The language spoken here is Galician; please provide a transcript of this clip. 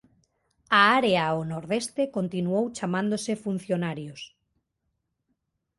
A área ao nordeste continuou chamándose Funcionarios.